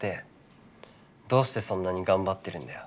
どうしてそんなに頑張ってるんだよ